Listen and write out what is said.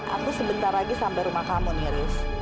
aku sebentar lagi sampai rumah kamu nih ris